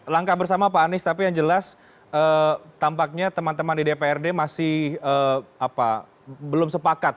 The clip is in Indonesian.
langkah bersama pak anies tapi yang jelas tampaknya teman teman di dprd masih belum sepakat